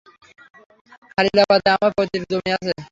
খালিলাবাদে আমার পৈত্রিক জমি আছে।